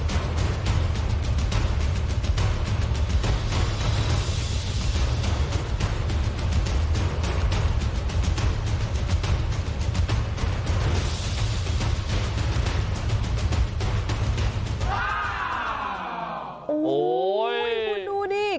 โอ้โหคุณดูนี่